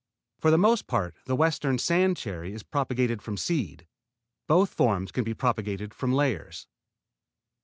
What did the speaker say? For the most part the western sand cherry is propagated from seed. Both forms can be propagated from layers.